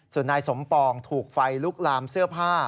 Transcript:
ส่วนนายสมปองถูกไฟลุกลามเสื้อผ้า